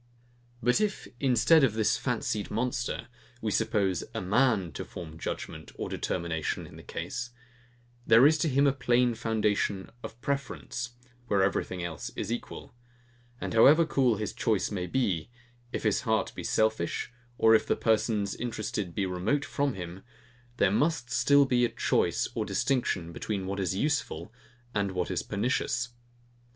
But if, instead of this fancied monster, we suppose a MAN to form a judgement or determination in the case, there is to him a plain foundation of preference, where everything else is equal; and however cool his choice may be, if his heart be selfish, or if the persons interested be remote from him; there must still be a choice or distinction between what is useful, and what is pernicious.